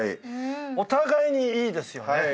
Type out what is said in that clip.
お互いにいいですよね。